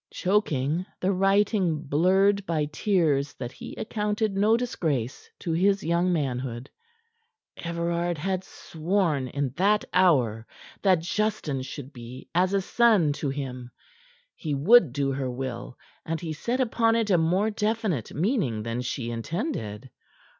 Choking, the writing blurred by tears that he accounted no disgrace to his young manhood, Everard had sworn in that hour that Justin should be as a son to him. He would do her will, and he set upon it a more definite meaning than she intended.